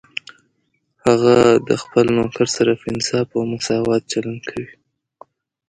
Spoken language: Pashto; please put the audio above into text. هغه د خپل نوکر سره په انصاف او مساوات چلند کوي